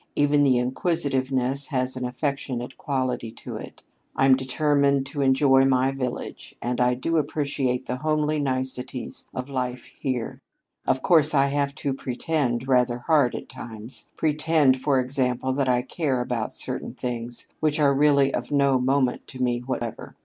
Even the inquisitiveness has an affectionate quality to it. I'm determined to enjoy my village and I do appreciate the homely niceties of the life here. Of course I have to 'pretend' rather hard at times pretend, for example, that I care about certain things which are really of no moment to me whatever.